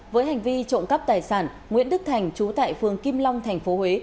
với hành vi trộm cắp tài sản nguyễn đức thành chú tại phường kim long tp huế